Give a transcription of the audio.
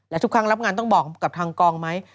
และทุกครั้งรับงานต้องบอกกับทางกองไหม